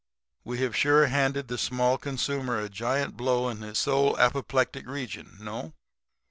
We have sure handed the small consumer a giant blow in the sole apoplectic region. No?'